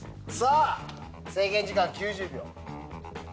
制限時間は９０秒。